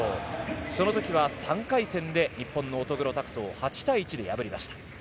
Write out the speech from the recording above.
その時は３回戦で日本の乙黒拓斗を８対１で破りました。